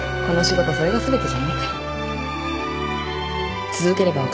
この仕事それが全てじゃないから